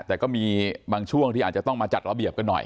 แต่ก็มีบางช่วงที่อาจจะต้องมาจัดระเบียบกันหน่อย